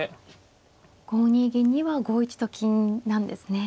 ５二銀には５一と金なんですね。